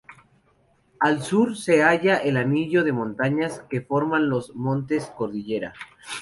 Al sur se halla el anillo de montañas que forman los Montes Cordillera.